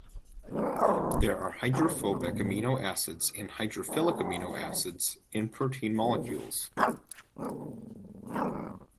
There are hydrophobic amino acids and hydrophilic amino acids in protein molecules.